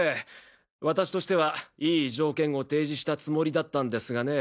私としてはいい条件を提示したつもりだったんですがね。